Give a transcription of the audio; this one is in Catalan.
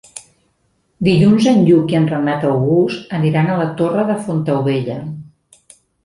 Dilluns en Lluc i en Renat August aniran a la Torre de Fontaubella.